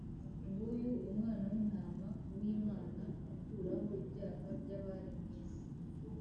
“Nguyu Umwana w’intama w’Imana ukuraho ibyaha by’abari mw’isi